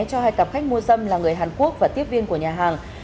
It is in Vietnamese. cho hai cặp khách mua dâm là người hàn quốc và tiếp viên của nhà hàng